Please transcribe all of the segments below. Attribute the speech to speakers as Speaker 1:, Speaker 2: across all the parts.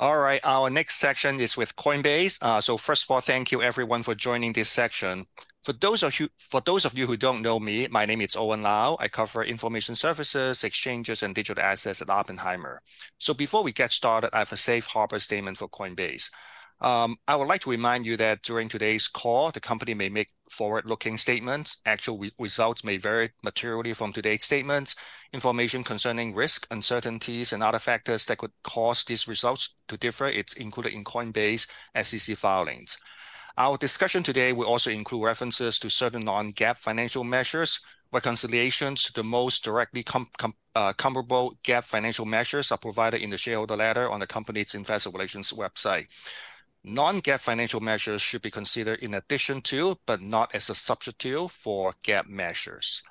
Speaker 1: All right, our next section is with Coinbase. So first of all, thank you everyone for joining this section. For those of you who don't know me, my name is Owen Lau. I cover information services, exchanges, and digital assets at Oppenheimer. So before we get started, I have a safe harbor statement for Coinbase. I would like to remind you that during today's call, the company may make forward-looking statements. Actual results may vary materially from today's statements. Information concerning risk, uncertainties, and other factors that could cause these results to differ is included in Coinbase SEC filings. Our discussion today will also include references to certain non-GAAP financial measures. Reconciliations to the most directly comparable GAAP financial measures are provided in the shareholder letter on the company's investor relations website. Non-GAAP financial measures should be considered in addition to, but not as a substitute for GAAP measures.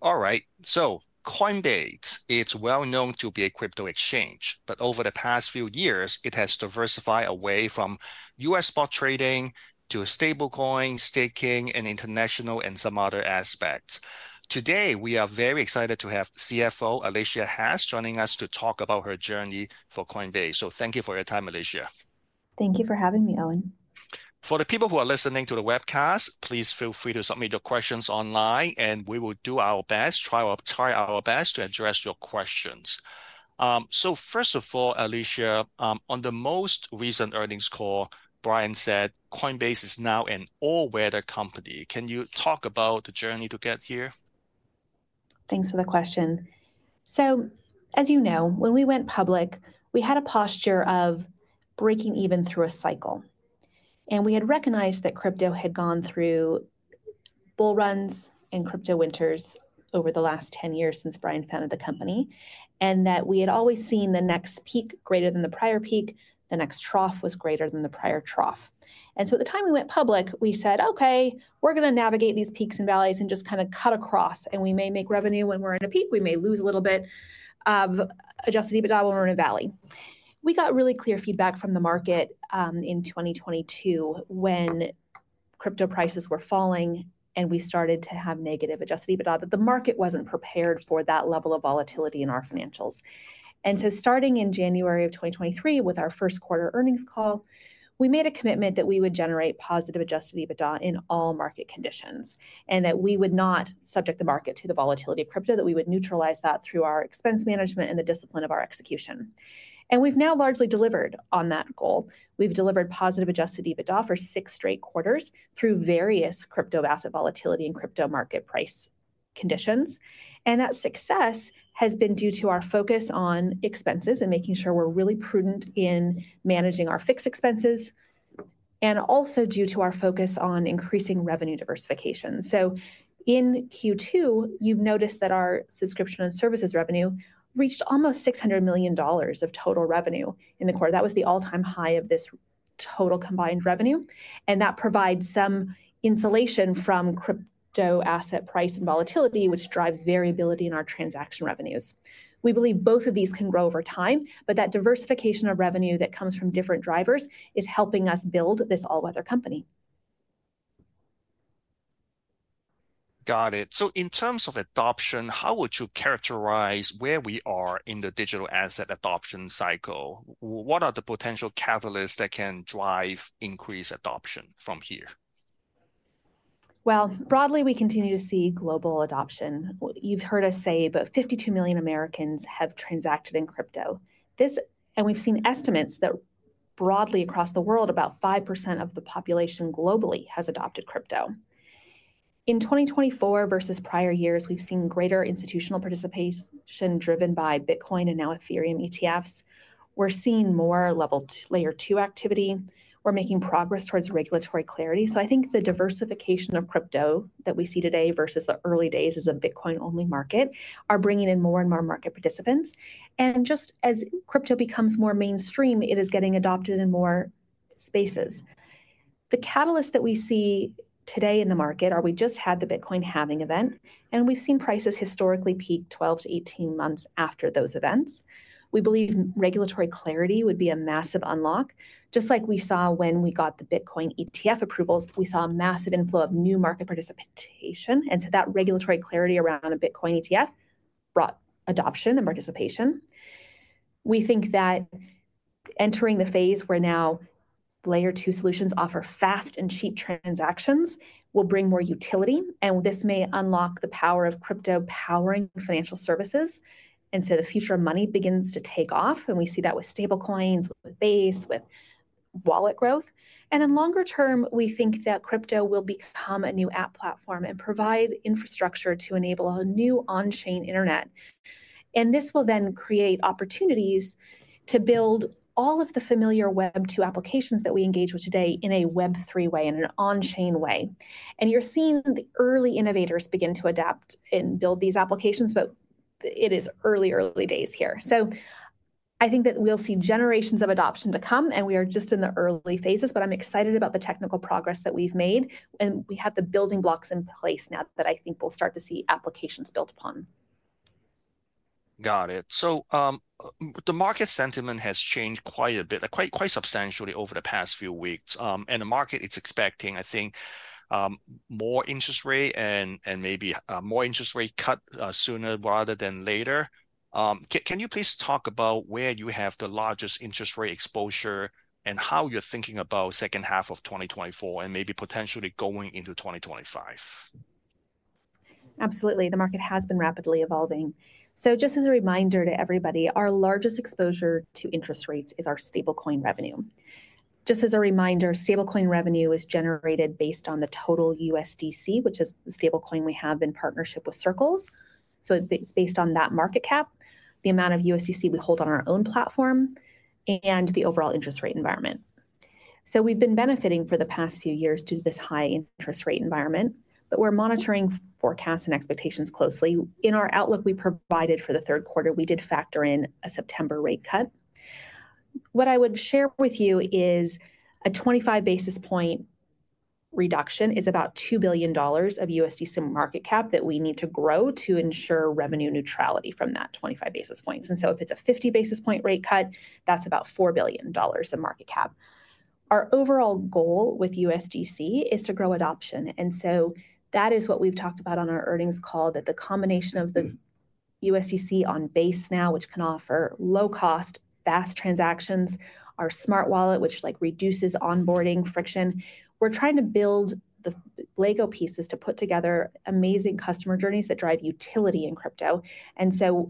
Speaker 1: All right, so Coinbase, it's well known to be a crypto exchange, but over the past few years, it has diversified away from U.S. spot trading to stablecoin, staking, and international, and some other aspects. Today, we are very excited to have CFO Alesia Haas joining us to talk about her journey for Coinbase. So thank you for your time, Alesia.
Speaker 2: Thank you for having me, Owen.
Speaker 1: For the people who are listening to the webcast, please feel free to submit your questions online, and we will do our best to address your questions. So first of all, Alesia, on the most recent earnings call, Brian said, "Coinbase is now an all-weather company." Can you talk about the journey to get here?
Speaker 2: Thanks for the question. So as you know, when we went public, we had a posture of breaking even through a cycle, and we had recognized that crypto had gone through bull runs and crypto winters over the last 10 years since Brian founded the company, and that we had always seen the next peak greater than the prior peak, the next trough was greater than the prior trough. And so at the time we went public, we said, "Okay, we're gonna navigate these peaks and valleys and just kind of cut across, and we may make revenue when we're at a peak. We may lose a little bit of Adjusted EBITDA when we're in a valley." We got really clear feedback from the market in 2022, when crypto prices were falling and we started to have negative Adjusted EBITDA, that the market wasn't prepared for that level of volatility in our financials. So starting in January of 2023, with our first quarter earnings call, we made a commitment that we would generate positive Adjusted EBITDA in all market conditions, and that we would not subject the market to the volatility of crypto, that we would neutralize that through our expense management and the discipline of our execution. We've now largely delivered on that goal. We've delivered positive Adjusted EBITDA for six straight quarters through various crypto asset volatility and crypto market price conditions. That success has been due to our focus on expenses and making sure we're really prudent in managing our fixed expenses, and also due to our focus on increasing revenue diversification. So in Q2, you've noticed that our subscription and services revenue reached almost $600 million of total revenue in the quarter. That was the all-time high of this total combined revenue, and that provides some insulation from crypto asset price and volatility, which drives variability in our transaction revenues. We believe both of these can grow over time, but that diversification of revenue that comes from different drivers is helping us build this all-weather company.
Speaker 1: Got it. So in terms of adoption, how would you characterize where we are in the digital asset adoption cycle? What are the potential catalysts that can drive increased adoption from here?
Speaker 2: Well, broadly, we continue to see global adoption. What you've heard us say, about 52 million Americans have transacted in crypto. This. And we've seen estimates that broadly across the world, about 5% of the population globally has adopted crypto. In 2024 versus prior years, we've seen greater institutional participation driven by Bitcoin and now Ethereum ETFs. We're seeing more Layer 2 activity. We're making progress towards regulatory clarity. So I think the diversification of crypto that we see today versus the early days as a Bitcoin-only market, are bringing in more and more market participants. And just as crypto becomes more mainstream, it is getting adopted in more spaces. The catalysts that we see today in the market are, we just had the Bitcoin halving event, and we've seen prices historically peak 12-18 months after those events. We believe regulatory clarity would be a massive unlock. Just like we saw when we got the Bitcoin ETF approvals, we saw a massive inflow of new market participation, and so that regulatory clarity around a Bitcoin ETF brought adoption and participation. We think that entering the phase where now Layer 2 solutions offer fast and cheap transactions will bring more utility, and this may unlock the power of crypto powering financial services. And so the future of money begins to take off, and we see that with stablecoins, with Base, with wallet growth. And in longer term, we think that crypto will become a new app platform and provide infrastructure to enable a new on-chain internet. And this will then create opportunities to build all of the familiar Web2 applications that we engage with today in a Web3 way, in an on-chain way. You're seeing the early innovators begin to adapt and build these applications, but it is early, early days here. So I think that we'll see generations of adoption to come, and we are just in the early phases, but I'm excited about the technical progress that we've made, and we have the building blocks in place now that I think we'll start to see applications built upon.
Speaker 1: Got it. So, the market sentiment has changed quite a bit, quite substantially over the past few weeks. And the market is expecting, I think, more interest rate and, and maybe more interest rate cut sooner rather than later. Can you please talk about where you have the largest interest rate exposure and how you're thinking about second half of 2024, and maybe potentially going into 2025?
Speaker 2: Absolutely, the market has been rapidly evolving. So just as a reminder to everybody, our largest exposure to interest rates is our stablecoin revenue. Just as a reminder, stablecoin revenue is generated based on the total USDC, which is the stablecoin we have in partnership with Circle. So it's based on that market cap, the amount of USDC we hold on our own platform, and the overall interest rate environment. So we've been benefiting for the past few years due to this high interest rate environment, but we're monitoring forecasts and expectations closely. In our outlook we provided for the third quarter, we did factor in a September rate cut. What I would share with you is a 25 basis point reduction is about $2 billion of USDC market cap that we need to grow to ensure revenue neutrality from that 25 basis points. If it's a 50 basis point rate cut, that's about $4 billion in market cap. Our overall goal with USDC is to grow adoption, and so that is what we've talked about on our earnings call, that the combination of the USDC on Base now, which can offer low-cost, fast transactions, our Smart Wallet, which, like, reduces onboarding friction. We're trying to build the Lego pieces to put together amazing customer journeys that drive utility in crypto.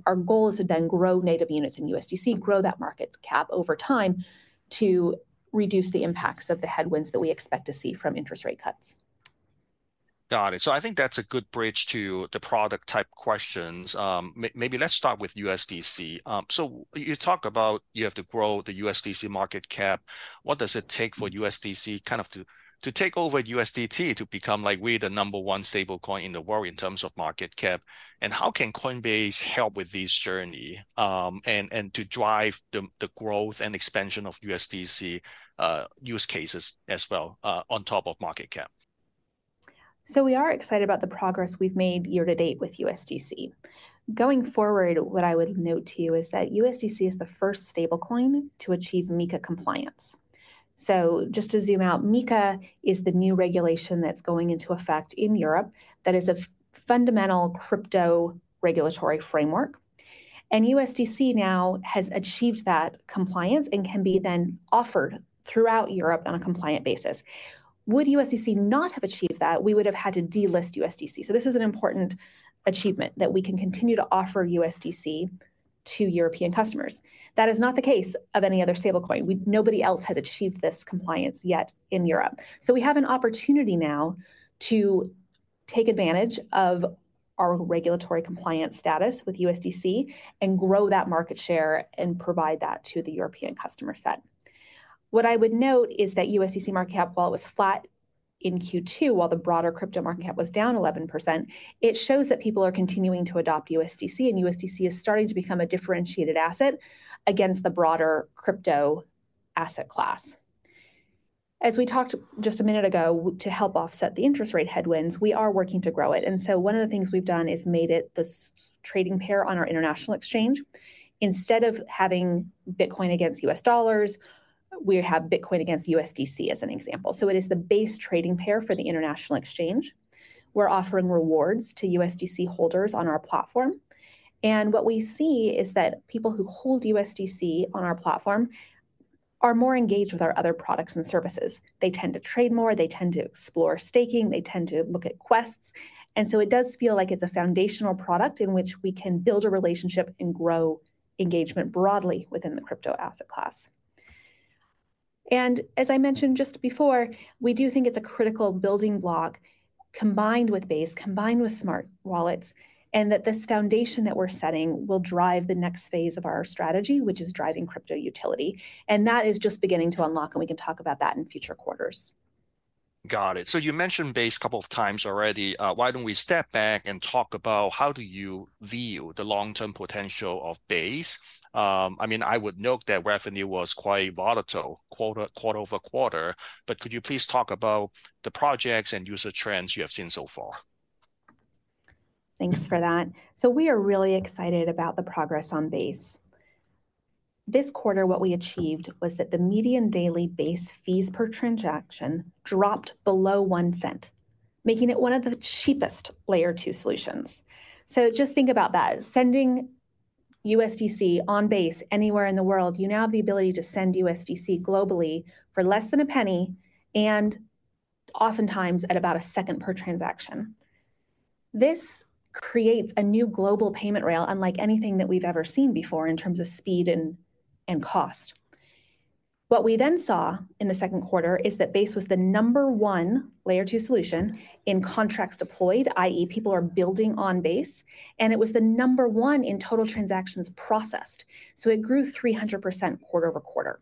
Speaker 2: Our goal is to then grow native units in USDC, grow that market cap over time, to reduce the impacts of the headwinds that we expect to see from interest rate cuts.
Speaker 1: Got it. So I think that's a good bridge to the product-type questions. Maybe let's start with USDC. So you talk about you have to grow the USDC market cap. What does it take for USDC kind of to take over USDT to become like we're the number one stablecoin in the world in terms of market cap? And how can Coinbase help with this journey, and to drive the growth and expansion of USDC use cases as well, on top of market cap?
Speaker 2: So we are excited about the progress we've made year to date with USDC. Going forward, what I would note to you is that USDC is the first stablecoin to achieve MiCA compliance. So just to zoom out, MiCA is the new regulation that's going into effect in Europe that is a fundamental crypto regulatory framework. And USDC now has achieved that compliance and can be then offered throughout Europe on a compliant basis. Would USDC not have achieved that, we would have had to delist USDC. So this is an important achievement that we can continue to offer USDC to European customers. That is not the case of any other stablecoin. We, nobody else has achieved this compliance yet in Europe. So we have an opportunity now to take advantage of our regulatory compliance status with USDC and grow that market share and provide that to the European customer set. What I would note is that USDC market cap, while it was flat in Q2, while the broader crypto market cap was down 11%, it shows that people are continuing to adopt USDC, and USDC is starting to become a differentiated asset against the broader crypto asset class. As we talked just a minute ago, to help offset the interest rate headwinds, we are working to grow it. And so one of the things we've done is made it this trading pair on our international exchange. Instead of having Bitcoin against U.S. dollars, we have Bitcoin against USDC, as an example. So it is the base trading pair for the international exchange. We're offering rewards to USDC holders on our platform. And what we see is that people who hold USDC on our platform are more engaged with our other products and services. They tend to trade more, they tend to explore staking, they tend to look at Quests. And so it does feel like it's a foundational product in which we can build a relationship and grow engagement broadly within the crypto asset class. And as I mentioned just before, we do think it's a critical building block, combined with Base, combined with Smart Wallets, and that this foundation that we're setting will drive the next phase of our strategy, which is driving crypto utility, and that is just beginning to unlock, and we can talk about that in future quarters.
Speaker 1: Got it. So you mentioned Base a couple of times already. Why don't we step back and talk about how do you view the long-term potential of Base? I mean, I would note that revenue was quite volatile quarter-over-quarter, but could you please talk about the projects and user trends you have seen so far?
Speaker 2: Thanks for that. So we are really excited about the progress on Base. This quarter, what we achieved was that the median daily Base fees per transaction dropped below $0.01, making it one of the cheapest Layer 2 solutions. So just think about that. Sending USDC on Base anywhere in the world, you now have the ability to send USDC globally for less than $0.01, and oftentimes, at about a second per transaction. This creates a new global payment rail unlike anything that we've ever seen before in terms of speed and, and cost. What we then saw in the second quarter is that Base was the number one Layer 2 solution in contracts deployed, i.e., people are building on Base, and it was the number one in total transactions processed. So it grew 300% quarter-over-quarter.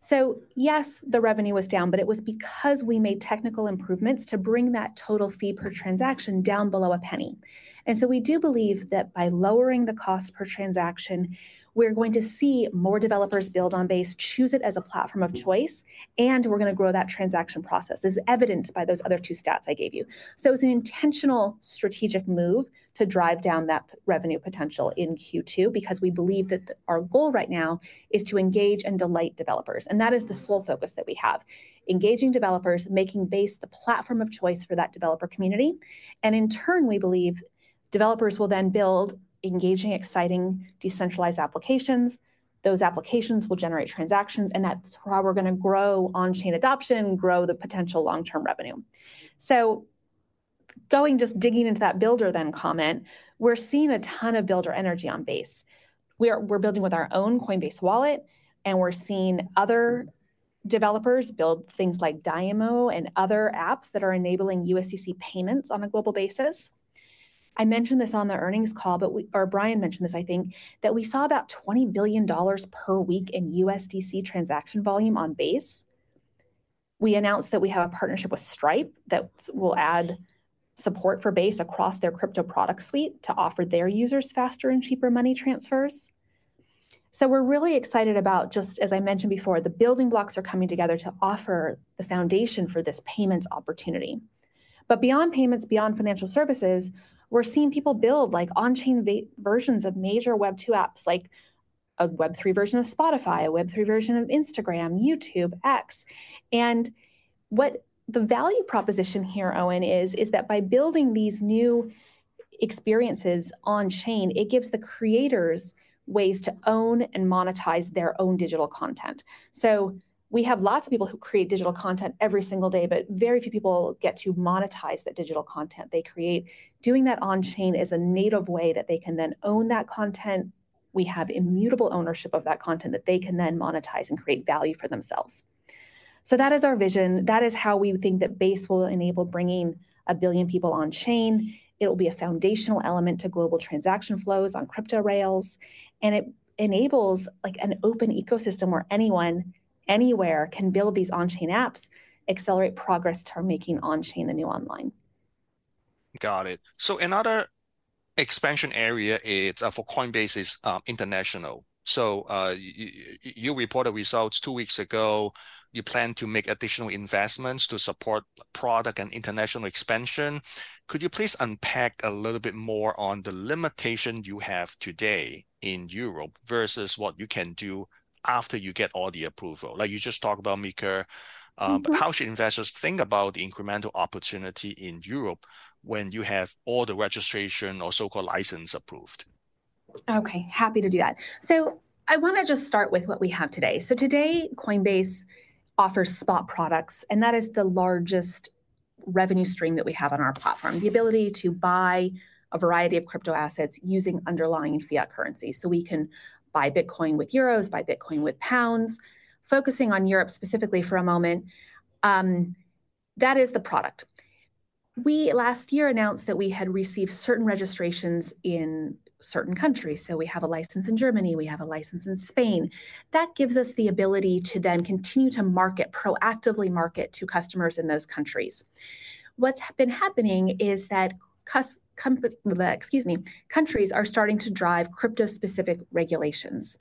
Speaker 2: So yes, the revenue was down, but it was because we made technical improvements to bring that total fee per transaction down below a penny. And so we do believe that by lowering the cost per transaction, we're going to see more developers build on Base, choose it as a platform of choice, and we're gonna grow that transaction process, as evidenced by those other two stats I gave you. So it's an intentional strategic move to drive down that revenue potential in Q2, because we believe that our goal right now is to engage and delight developers, and that is the sole focus that we have, engaging developers, making Base the platform of choice for that developer community. And in turn, we believe developers will then build engaging, exciting, decentralized applications. Those applications will generate transactions, and that's how we're gonna grow on-chain adoption, grow the potential long-term revenue. So, going, just digging into that builder ecosystem comment, we're seeing a ton of builder energy on Base. We're building with our own Coinbase Wallet, and we're seeing other developers build things like DIMO and other apps that are enabling USDC payments on a global basis. I mentioned this on the earnings call, but or Brian mentioned this, I think, that we saw about $20 billion per week in USDC transaction volume on Base. We announced that we have a partnership with Stripe that will add support for Base across their crypto product suite to offer their users faster and cheaper money transfers. So we're really excited about, just as I mentioned before, the building blocks are coming together to offer the foundation for this payments opportunity. But beyond payments, beyond financial services, we're seeing people build, like, on-chain various versions of major Web2 apps, like a Web3 version of Spotify, a Web3 version of Instagram, YouTube, X. And what the value proposition here, Owen, is that by building these new experiences on chain, it gives the creators ways to own and monetize their own digital content. So we have lots of people who create digital content every single day, but very few people get to monetize that digital content they create. Doing that on chain is a native way that they can then own that content. We have immutable ownership of that content that they can then monetize and create value for themselves. So that is our vision. That is how we think that Base will enable bringing a billion people on chain. It'll be a foundational element to global transaction flows on crypto rails, and it enables, like, an open ecosystem where anyone, anywhere can build these on-chain apps, accelerate progress toward making on-chain the new online.
Speaker 1: Got it. So another expansion area is for Coinbase is international. So you reported results two weeks ago. You plan to make additional investments to support product and international expansion. Could you please unpack a little bit more on the limitation you have today in Europe versus what you can do after you get all the approval? Like, you just talked about MiCA, but how should investors think about the incremental opportunity in Europe when you have all the registration or so-called license approved?
Speaker 2: Okay, happy to do that. So I wanna just start with what we have today. So today, Coinbase offers spot products, and that is the largest revenue stream that we have on our platform, the ability to buy a variety of crypto assets using underlying fiat currency. So we can buy Bitcoin with euros, buy Bitcoin with pounds. Focusing on Europe specifically for a moment, that is the product. We last year announced that we had received certain registrations in certain countries, so we have a license in Germany, we have a license in Spain. That gives us the ability to then continue to market, proactively market to customers in those countries. What's been happening is that countries are starting to drive crypto-specific regulations.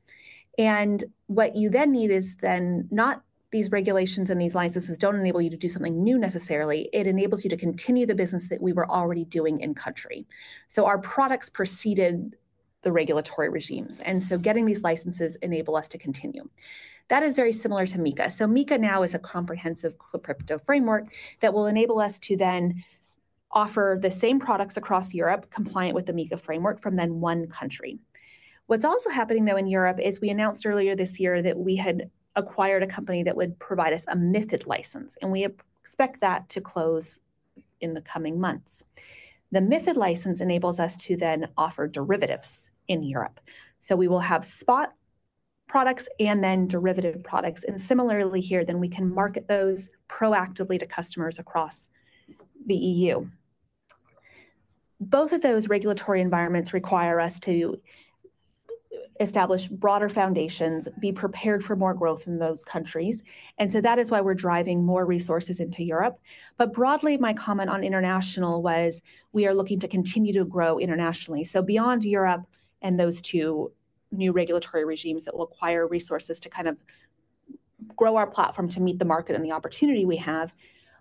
Speaker 2: And what you then need is then not... These regulations and these licenses don't enable you to do something new necessarily. It enables you to continue the business that we were already doing in the country. So our products preceded the regulatory regimes, and so getting these licenses enable us to continue. That is very similar to MiCA. So MiCA now is a comprehensive crypto framework that will enable us to then offer the same products across Europe, compliant with the MiCA framework from that one country. What's also happening, though, in Europe is we announced earlier this year that we had acquired a company that would provide us a MiFID license, and we expect that to close in the coming months. The MiFID license enables us to then offer derivatives in Europe. So we will have spot products and then derivative products, and similarly here, then we can market those proactively to customers across the EU. Both of those regulatory environments require us to establish broader foundations, be prepared for more growth in those countries, and so that is why we're driving more resources into Europe. But broadly, my comment on international was, we are looking to continue to grow internationally. So beyond Europe and those two new regulatory regimes that will acquire resources to kind of grow our platform to meet the market and the opportunity we have,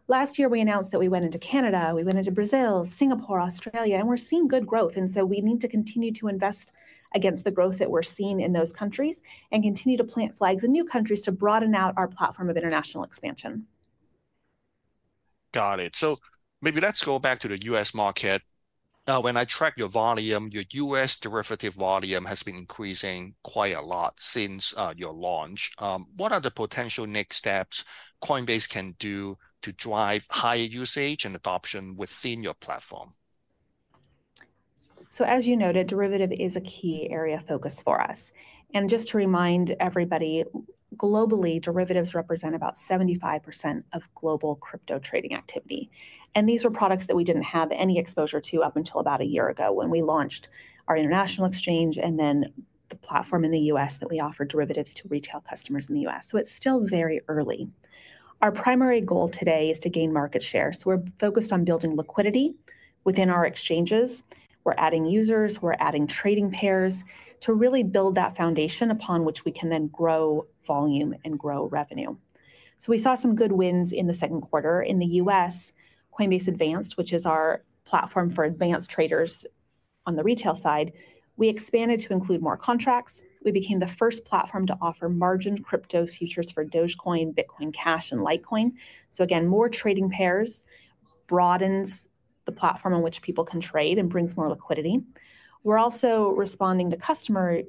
Speaker 2: last year, we announced that we went into Canada, we went into Brazil, Singapore, Australia, and we're seeing good growth, and so we need to continue to invest against the growth that we're seeing in those countries and continue to plant flags in new countries to broaden out our platform of international expansion.
Speaker 1: Got it. So maybe let's go back to the U.S. market. When I track your volume, your U.S. derivative volume has been increasing quite a lot since your launch. What are the potential next steps Coinbase can do to drive higher usage and adoption within your platform?
Speaker 2: So as you noted, derivative is a key area of focus for us. Just to remind everybody, globally, derivatives represent about 75% of global crypto trading activity, and these were products that we didn't have any exposure to up until about a year ago when we launched our international exchange and then the platform in the U.S. that we offer derivatives to retail customers in the U.S. It's still very early. Our primary goal today is to gain market share, so we're focused on building liquidity within our exchanges. We're adding users, we're adding trading pairs to really build that foundation upon which we can then grow volume and grow revenue. We saw some good wins in the second quarter. In the U.S., Coinbase Advanced, which is our platform for advanced traders on the retail side, we expanded to include more contracts. We became the first platform to offer margined crypto futures for Dogecoin, Bitcoin Cash, and Litecoin. So again, more trading pairs broadens the platform on which people can trade and brings more liquidity. We're also responding to customer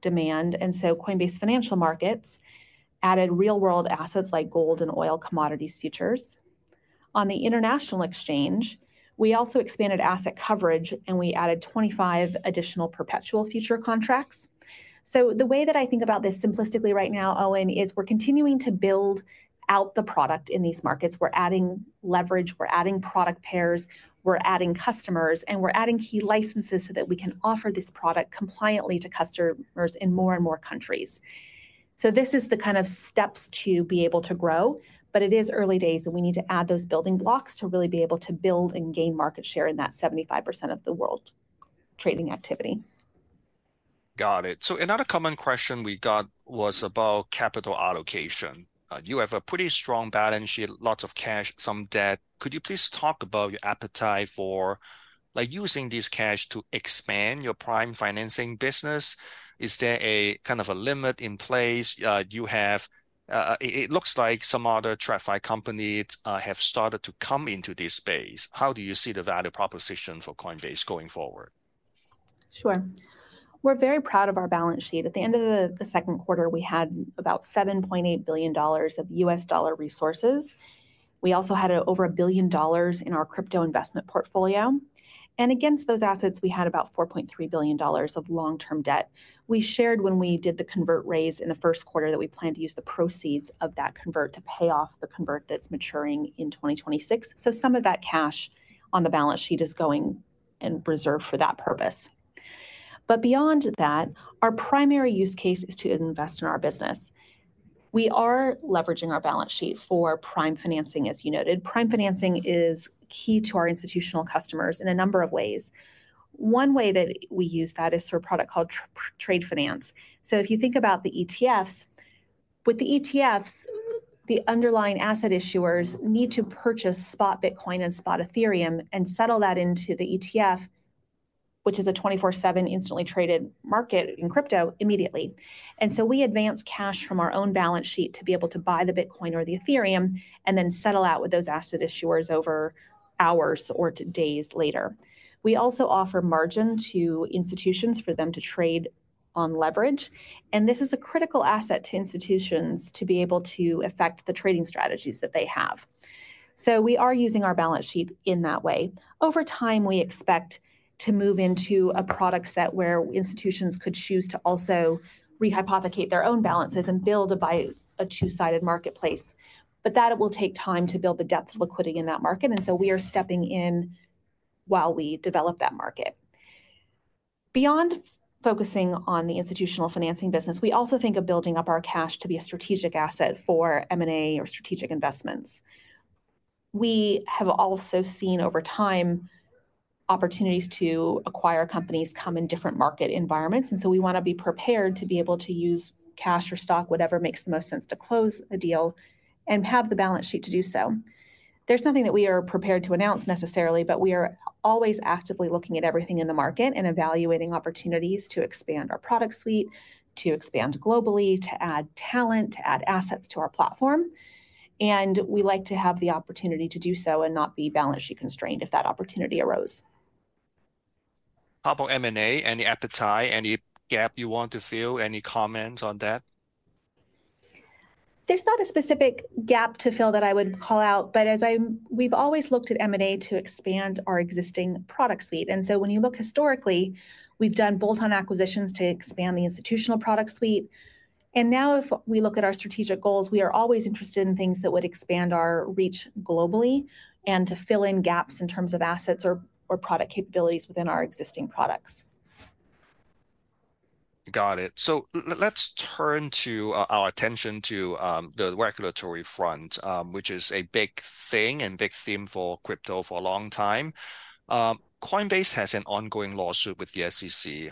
Speaker 2: demand, and so Coinbase Financial Markets added real-world assets like gold and oil commodities futures. On the international exchange, we also expanded asset coverage, and we added 25 additional perpetual future contracts. So the way that I think about this simplistically right now, Owen, is we're continuing to build out the product in these markets. We're adding leverage, we're adding product pairs, we're adding customers, and we're adding key licenses so that we can offer this product compliantly to customers in more and more countries. So this is the kind of steps to be able to grow, but it is early days, and we need to add those building blocks to really be able to build and gain market share in that 75% of the world trading activity.
Speaker 1: Got it. So another common question we got was about capital allocation. You have a pretty strong balance sheet, lots of cash, some debt. Could you please talk about your appetite for, like, using this cash to expand your prime financing business? Is there a kind of a limit in place? Do you have... It looks like some other TradFi companies have started to come into this space. How do you see the value proposition for Coinbase going forward?
Speaker 2: Sure. We're very proud of our balance sheet. At the end of the second quarter, we had about $7.8 billion of U.S. dollar resources. We also had over $1 billion in our crypto investment portfolio, and against those assets, we had about $4.3 billion of long-term debt. We shared when we did the convert raise in the first quarter, that we planned to use the proceeds of that convert to pay off the convert that's maturing in 2026. So some of that cash on the balance sheet is going and reserved for that purpose. But beyond that, our primary use case is to invest in our business. We are leveraging our balance sheet for prime financing, as you noted. Prime financing is key to our institutional customers in a number of ways. One way that we use that is through a product called trade finance. So if you think about the ETFs, with the ETFs, the underlying asset issuers need to purchase spot Bitcoin and spot Ethereum and settle that into the ETF, which is a 24/7 instantly traded market in crypto, immediately. And so we advance cash from our own balance sheet to be able to buy the Bitcoin or the Ethereum and then settle out with those asset issuers over hours or days later. We also offer margin to institutions for them to trade on leverage, and this is a critical asset to institutions to be able to affect the trading strategies that they have. So we are using our balance sheet in that way. Over time, we expect to move into a product set where institutions could choose to also rehypothecate their own balances and build a two-sided marketplace. But that it will take time to build the depth of liquidity in that market, and so we are stepping in while we develop that market. Beyond focusing on the institutional financing business, we also think of building up our cash to be a strategic asset for M&A or strategic investments. We have also seen over time, opportunities to acquire companies come in different market environments, and so we want to be prepared to be able to use cash or stock, whatever makes the most sense, to close a deal and have the balance sheet to do so. There's nothing that we are prepared to announce necessarily, but we are always actively looking at everything in the market and evaluating opportunities to expand our product suite, to expand globally, to add talent, to add assets to our platform, and we like to have the opportunity to do so and not be balance sheet-constrained if that opportunity arose.
Speaker 1: How about M&A? Any appetite, any gap you want to fill? Any comments on that?
Speaker 2: There's not a specific gap to fill that I would call out, but as we've always looked at M&A to expand our existing product suite. And now, if we look at our strategic goals, we are always interested in things that would expand our reach globally and to fill in gaps in terms of assets or product capabilities within our existing products.
Speaker 1: Got it. So let's turn to our attention to the regulatory front, which is a big thing and big theme for crypto for a long time. Coinbase has an ongoing lawsuit with the SEC.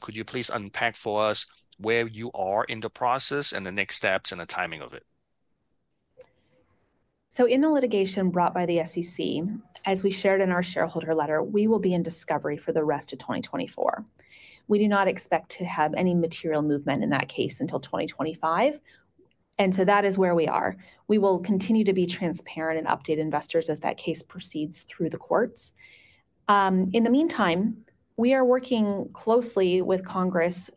Speaker 1: Could you please unpack for us where you are in the process, and the next steps, and the timing of it?
Speaker 2: So in the litigation brought by the SEC, as we shared in our shareholder letter, we will be in discovery for the rest of 2024. We do not expect to have any material movement in that case until 2025, and so that is where we are. We will continue to be transparent and update investors as that case proceeds through the courts. In the meantime, we are working closely with Congress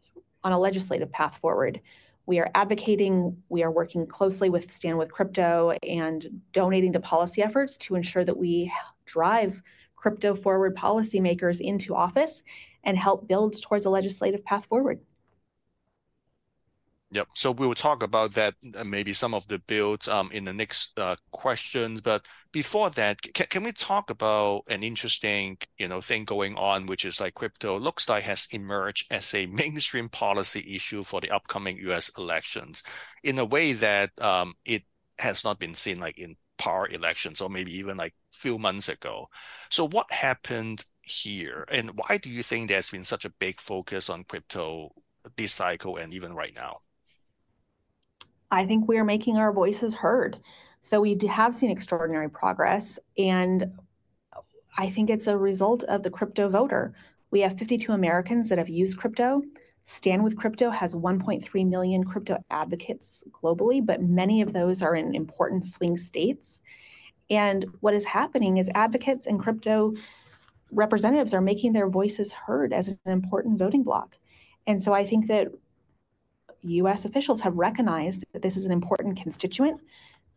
Speaker 2: on a legislative path forward. We are advocating, we are working closely with Stand With Crypto and donating to policy efforts to ensure that we drive crypto-forward policymakers into office and help build towards a legislative path forward.
Speaker 1: Yep. So we will talk about that, and maybe some of the builds in the next questions. But before that, can we talk about an interesting, you know, thing going on, which is, like, crypto looks like has emerged as a mainstream policy issue for the upcoming U.S. elections, in a way that it has not been seen, like, in prior elections or maybe even, like, few months ago. So what happened here, and why do you think there's been such a big focus on crypto this cycle and even right now?
Speaker 2: I think we are making our voices heard. So we have seen extraordinary progress, and I think it's a result of the crypto voter. We have 52 Americans that have used crypto. Stand With Crypto has 1.3 million crypto advocates globally, but many of those are in important swing states. And what is happening is advocates and crypto representatives are making their voices heard as an important voting block. And so I think that U.S. officials have recognized that this is an important constituent.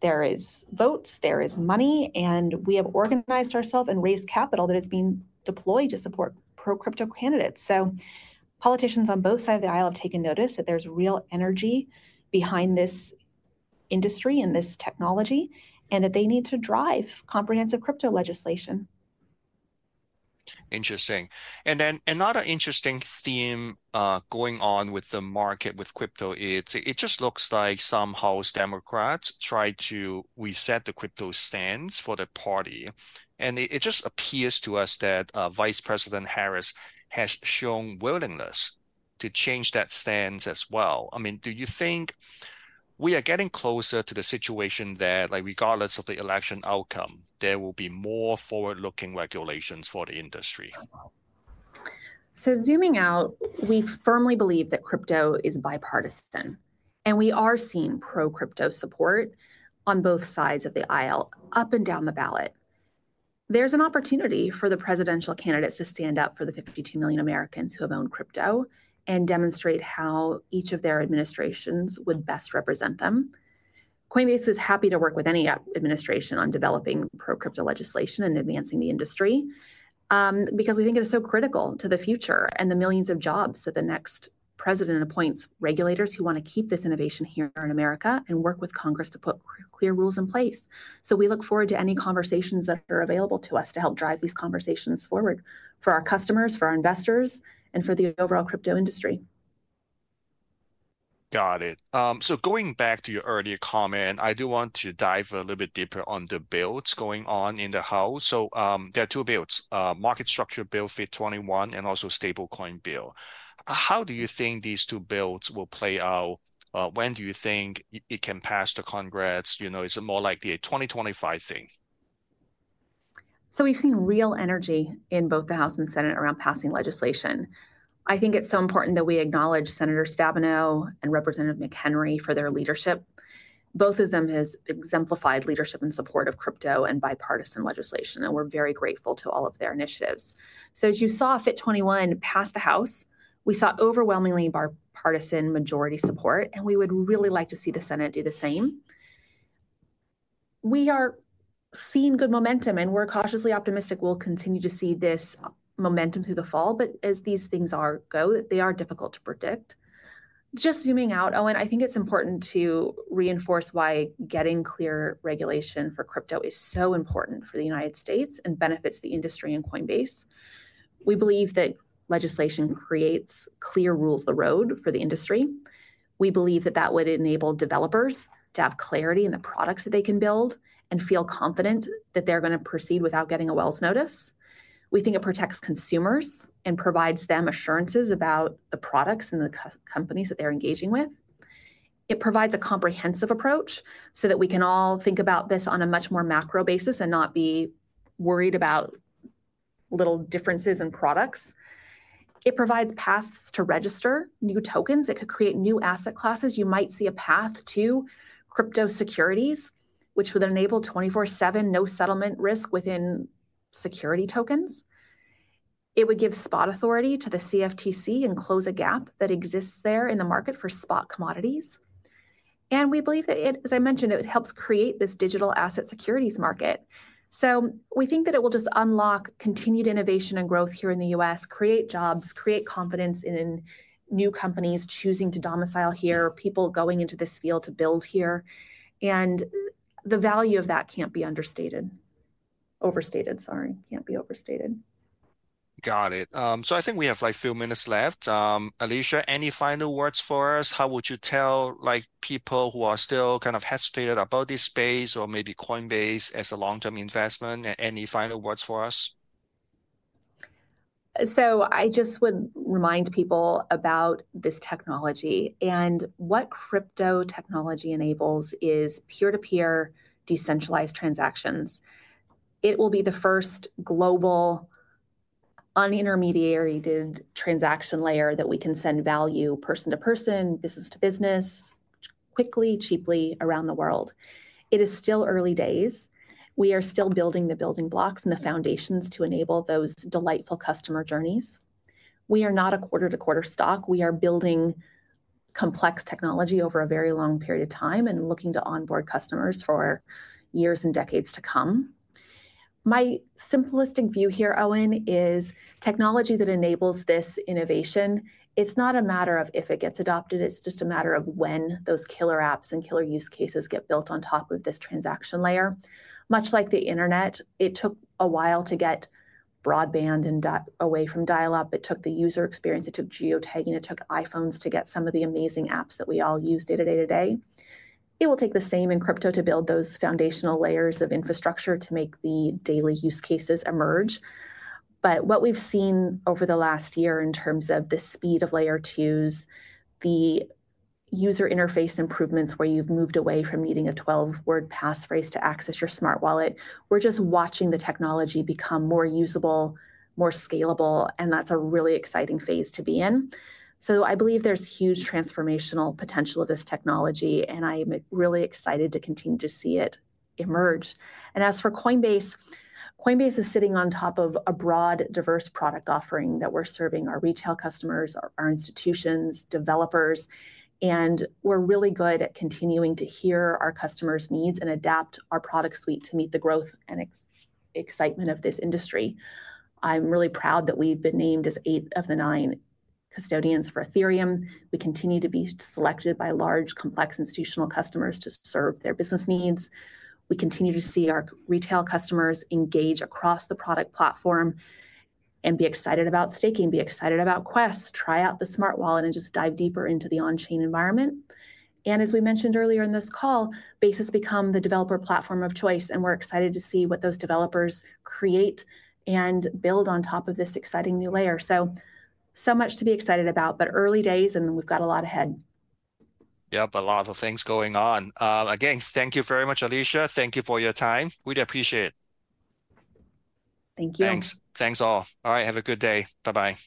Speaker 2: There is votes, there is money, and we have organized ourselves and raised capital that is being deployed to support pro-crypto candidates. So politicians on both sides of the aisle have taken notice that there's real energy behind this industry and this technology, and that they need to drive comprehensive crypto legislation.
Speaker 1: Interesting. Then another interesting theme going on with the market with crypto is it just looks like some House Democrats tried to reset the crypto stance for the party, and it just appears to us that Vice President Harris has shown willingness to change that stance as well. I mean, do you think we are getting closer to the situation that, like, regardless of the election outcome, there will be more forward-looking regulations for the industry?
Speaker 2: So zooming out, we firmly believe that crypto is bipartisan, and we are seeing pro-crypto support on both sides of the aisle, up and down the ballot. There's an opportunity for the presidential candidates to stand up for the 52 million Americans who have owned crypto, and demonstrate how each of their administrations would best represent them. Coinbase is happy to work with any administration on developing pro-crypto legislation and advancing the industry, because we think it is so critical to the future and the millions of jobs that the next president appoints regulators who want to keep this innovation here in America, and work with Congress to put clear rules in place. So we look forward to any conversations that are available to us to help drive these conversations forward for our customers, for our investors, and for the overall crypto industry.
Speaker 1: Got it. So going back to your earlier comment, I do want to dive a little bit deeper on the bills going on in the House. So, there are two bills: market structure bill FIT21, and also stablecoin bill. How do you think these two bills will play out? When do you think it can pass the Congress? You know, is it more like a 2025 thing?
Speaker 2: So we've seen real energy in both the House and Senate around passing legislation. I think it's so important that we acknowledge Senator Stabenow and Representative McHenry for their leadership. Both of them has exemplified leadership and support of crypto and bipartisan legislation, and we're very grateful to all of their initiatives. So as you saw, FIT21 pass the House, we saw overwhelmingly bipartisan majority support, and we would really like to see the Senate do the same. We are seeing good momentum, and we're cautiously optimistic we'll continue to see this momentum through the fall, but as these things are go, they are difficult to predict. Just zooming out, Owen, I think it's important to reinforce why getting clear regulation for crypto is so important for the United States and benefits the industry and Coinbase. We believe that legislation creates clear rules of the road for the industry. We believe that that would enable developers to have clarity in the products that they can build, and feel confident that they're gonna proceed without getting a Wells notice. We think it protects consumers and provides them assurances about the products and the companies that they're engaging with. It provides a comprehensive approach so that we can all think about this on a much more macro basis and not be worried about little differences in products. It provides paths to register new tokens. It could create new asset classes. You might see a path to crypto securities, which would enable 24/7 no settlement risk within security tokens. It would give spot authority to the CFTC and close a gap that exists there in the market for spot commodities. And we believe that it... As I mentioned, it helps create this digital asset securities market. So we think that it will just unlock continued innovation and growth here in the U.S., create jobs, create confidence in new companies choosing to domicile here, people going into this field to build here, and the value of that can't be understated. Overstated, sorry, can't be overstated.
Speaker 1: Got it. So I think we have, like, few minutes left. Alesia, any final words for us? How would you tell, like, people who are still kind of hesitant about this space or maybe Coinbase as a long-term investment? Any final words for us?
Speaker 2: So I just would remind people about this technology, and what crypto technology enables is peer-to-peer, decentralized transactions. It will be the first global unintermediated transaction layer that we can send value person to person, business to business, quickly, cheaply around the world. It is still early days. We are still building the building blocks and the foundations to enable those delightful customer journeys. We are not a quarter-to-quarter stock. We are building complex technology over a very long period of time and looking to onboard customers for years and decades to come. My simplistic view here, Owen, is technology that enables this innovation; it's not a matter of if it gets adopted, it's just a matter of when those killer apps and killer use cases get built on top of this transaction layer. Much like the Internet, it took a while to get broadband and away from dial-up. It took the user experience, it took geotagging, it took iPhones to get some of the amazing apps that we all use day to day. It will take the same in crypto to build those foundational layers of infrastructure to make the daily use cases emerge. But what we've seen over the last year in terms of the speed of Layer 2s, the user interface improvements, where you've moved away from needing a 12-word passphrase to access your Smart Wallet. We're just watching the technology become more usable, more scalable, and that's a really exciting phase to be in. So I believe there's huge transformational potential of this technology, and I'm really excited to continue to see it emerge. As for Coinbase, Coinbase is sitting on top of a broad, diverse product offering that we're serving our retail customers, our institutions, developers, and we're really good at continuing to hear our customers' needs and adapt our product suite to meet the growth and excitement of this industry. I'm really proud that we've been named as 8 of the 9 custodians for Ethereum. We continue to be selected by large, complex institutional customers to serve their business needs. We continue to see our retail customers engage across the product platform and be excited about staking, be excited about Quest, try out the Smart Wallet, and just dive deeper into the on-chain environment. As we mentioned earlier in this call, Base has become the developer platform of choice, and we're excited to see what those developers create and build on top of this exciting new layer. So, so much to be excited about, but early days, and we've got a lot ahead.
Speaker 1: Yep, a lot of things going on. Again, thank you very much, Alesia. Thank you for your time. We appreciate it.
Speaker 2: Thank you.
Speaker 1: Thanks. Thanks, all. All right, have a good day. Bye-bye.